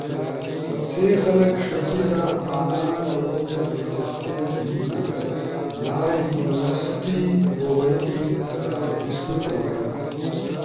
سی خلگ ݜیکیا آنا کوروم در دلچسپی گھیننا۔ لا یونیورسٹی بو بئینی، سکول بو بئینو،